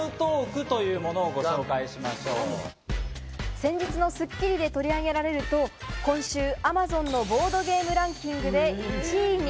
先日の『スッキリ』で取り上げられると、今週、Ａｍａｚｏｎのボードゲームランキングで１位に。